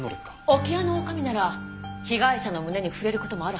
置屋の女将なら被害者の胸に触れる事もあるはずよ。